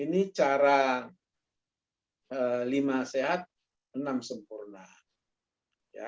ini cara lima sehat enam sempurna